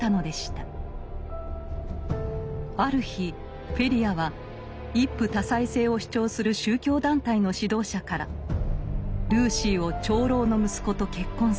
ある日フェリアは一夫多妻制を主張する宗教団体の指導者から「ルーシーを長老の息子と結婚させろ」と脅迫されます。